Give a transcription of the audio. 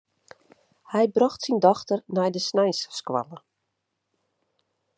Hy brocht syn dochter nei de sneinsskoalle.